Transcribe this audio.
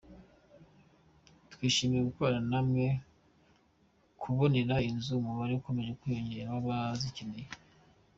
Twishimiye gukorana namwe mu kubonera inzu umubare ukomeje kwiyongera w’abazikeneye.